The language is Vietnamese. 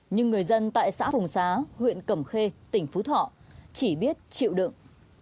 nhưng người dân tại xã vùng xá huyện cẩm khê tỉnh phú thọ chỉ biết chịu đựng